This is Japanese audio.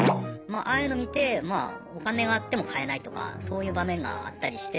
ああいうの見てまあお金があっても買えないとかそういう場面があったりして。